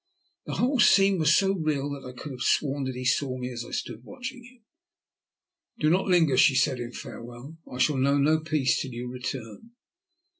The whole scene was so real that I could have sworn that he saw me as I stood watching him. "Do not linger," she said in farewell. "I shall know no peace till you return."